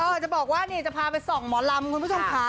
จะบอกว่านี่จะพาไปส่องหมอลำคุณผู้ชมค่ะ